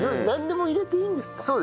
なんでも入れていいんですか？